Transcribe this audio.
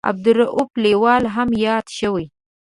عبدالرووف لیوال هم یاد شوی.